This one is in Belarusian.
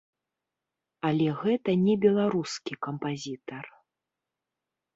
Але гэта не беларускі кампазітар.